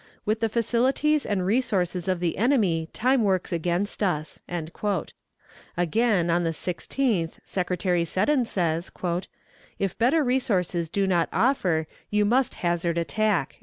"With the facilities and resources of the enemy time works against us." Again, on the 16th, Secretary Seddon says: "If better resources do not offer, you must hazard attack."